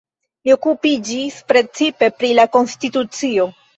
Li okupiĝis precipe pri la konstitucio.